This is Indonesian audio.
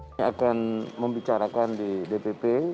ini akan membicarakan di dpp